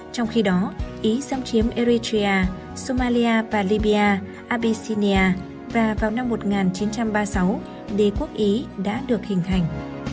trong khi đó ý xâm chiếm eritrea somalia và libya abyssinia và vào năm một nghìn chín trăm ba mươi sáu đế quốc ý đã được hình thành